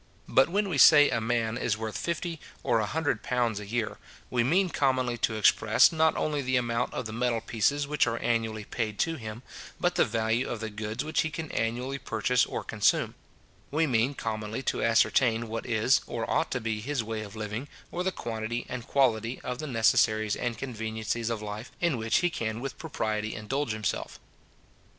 But when we say that a man is worth fifty or a hundred pounds a year, we mean commonly to express, not only the amount of the metal pieces which are annually paid to him, but the value of the goods which he can annually purchase or consume; we mean commonly to ascertain what is or ought to be his way of living, or the quantity and quality of the necessaries and conveniencies of life in which he can with propriety indulge himself.